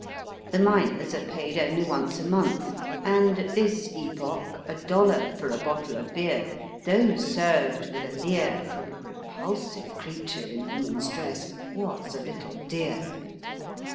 The miners are paid only once a month, and at this epoch a dollar for a bottle of beer, though served with a leer from a repulsive creature in woman's dress, was a little dear.